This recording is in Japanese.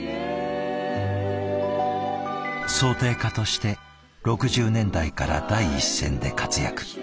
装丁家として６０年代から第一線で活躍。